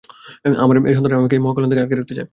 আমার এই সন্তানরা আমাকে এই মহাকল্যাণ থেকে আটকে রাখতে চায়।